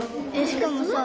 しかもさ。